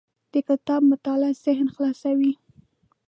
د کتاب مطالعه ذهن خلاصوي.